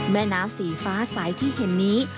แม่น้ำสีฟ้าสายที่เห็นนี้